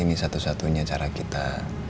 ini satu satunya cara kita